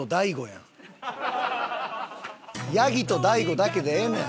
『ヤギと大悟』だけでええねん。